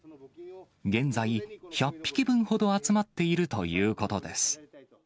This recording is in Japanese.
現在、１００匹分ほど集まっているということです。